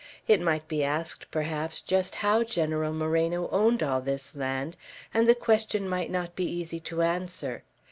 It might be asked, perhaps, just how General Moreno owned all this land, and the question might not be easy to answer.